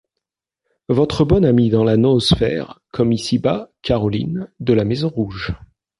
Votre bonne amie dans la Noosphère comme ici-bas, Carolyn de la maison Rouge.